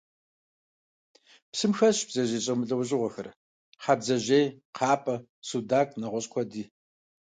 Псым хэсщ бдзэжьей зэмылӀэужьыгъуэхэр: хьэбдзэжъей, кхъапӀэ, судакъ, нэгъуэщӀ куэди.